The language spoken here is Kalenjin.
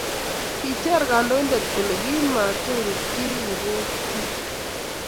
kicher kandoindet kole komaturikchi kibokitin